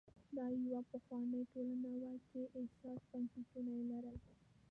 دا یوه پخوانۍ ټولنه وه چې حساس بنسټونه یې لرل